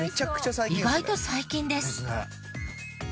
意外と最近です。